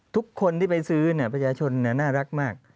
ทุกคนที่ไปซื้อประชาชนน่ารักมาก